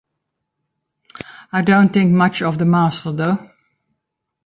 I don’t think much of the master, through.